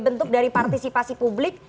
untuk dari partisipasi publik